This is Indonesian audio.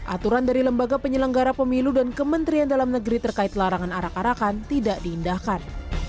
aturan dari lembaga penyelenggara pemilu dan kementerian dalam negeri terkait larangan arak arakan tidak diindahkan